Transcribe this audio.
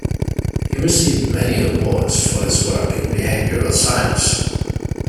He received many awards for his work in behavioral science.